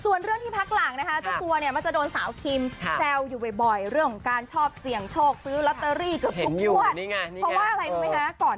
ส่วนเรื่องที่พักหลังนะคะตัวสัาวถูกเก่าอยู่บอยบ่อยเรื่องของการชอบเสี่ยงโชคซื้อลัตเตอรี่คือบ่งกล้วน